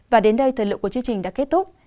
và đến đây thời lượng của chương trình đã kết thúc